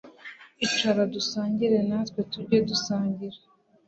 Icara dusangire natwetujya dusangira